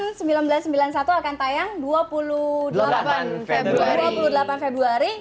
oke dilan seribu sembilan ratus sembilan puluh satu akan tayang dua puluh delapan februari